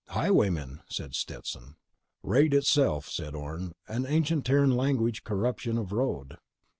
"Highwaymen," said Stetson. "Raid itself," said Orne. "An ancient Terran language corruption of road."